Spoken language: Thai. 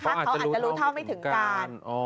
ถ้าเขาอาจจะรู้เท่าไม่ถึงการ